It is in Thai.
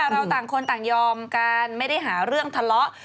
เราต่างคนต่างยอมกันไม่ได้หาเรื่องทะเลาะ